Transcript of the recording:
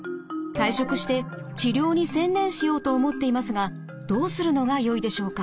退職して治療に専念しようと思っていますがどうするのがよいでしょうか？」。